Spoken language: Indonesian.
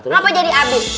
gak mau jadi abis